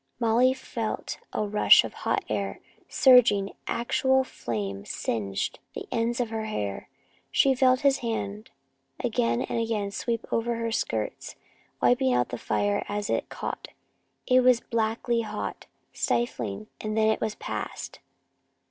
Molly felt a rush of hot air; surging, actual flame singed the ends of her hair. She felt his hand again and again sweep over her skirts, wiping out the fire as it caught. It was blackly hot, stifling and then it was past!